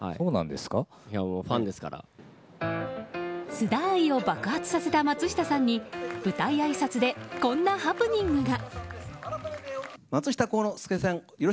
菅田愛を爆発させた松下さんに舞台あいさつでこんなハプニングが。